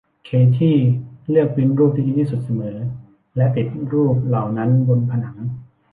เคธี่เลือกปริ้นท์รูปที่ดีที่สุดเสมอและติดรูปเหล่านั้นบนผนัง